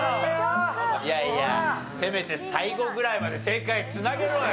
いやいやせめて最後ぐらいまで正解繋げろよ。